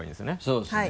そうですね。